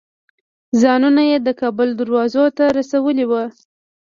ځانونه یې د کابل دروازو ته رسولي وو.